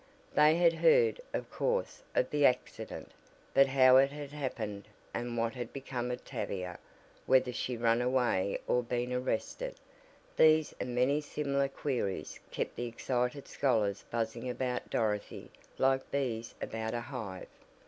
They had heard, of course, of the accident, but how it had happened, and what had become of Tavia, whether she run away or been arrested these and many similar queries kept the excited scholars buzzing about Dorothy like bees about a hive.